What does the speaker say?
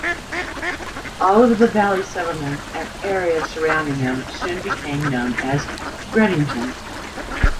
All of the valley settlements and area surrounding them soon became known as Redington.